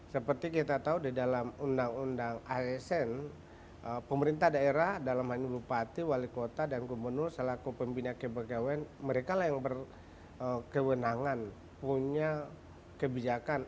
seperti kita tahu di dalam undang undang asn pemerintah daerah dalam hal ini lupati wali kota dan gubernur selaku pembina kepegawaian mereka lah yang berkewenangan punya kebijakan